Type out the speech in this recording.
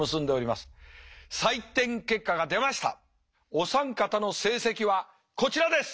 お三方の成績はこちらです。